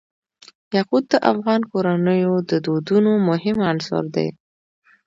یاقوت د افغان کورنیو د دودونو مهم عنصر دی.